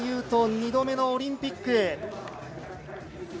斗２度目のオリンピック。